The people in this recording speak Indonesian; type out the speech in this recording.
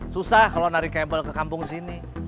susah kalau narik cable ke kampung sini